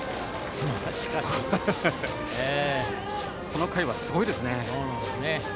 この回は、すごいですね。